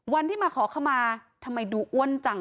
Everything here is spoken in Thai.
วันที่มาขอขมาทำไมดูอ้วนจัง